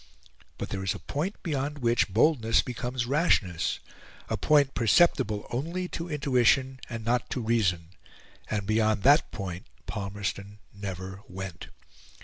But there is a point beyond which boldness becomes rashness a point perceptible only to intuition and not to reason; and beyond that point Palmerston never went.